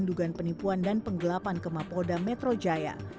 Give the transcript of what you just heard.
dugaan penipuan dan penggelapan ke mapoda metro jaya